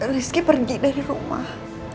rizky pergi dari rumah